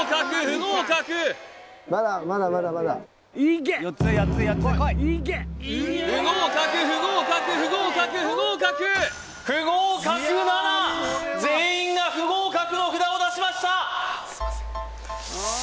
不合格不合格不合格不合格不合格７全員が不合格の札を出しました